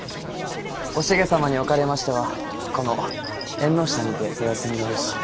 おしげ様におかれましてはこの縁の下にてお休みの由。